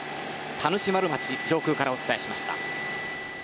田主丸町上空からお伝えしました。